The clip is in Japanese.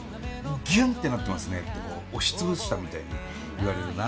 「ギュンってなってますね」ってこう押し潰したみたいに言われるな。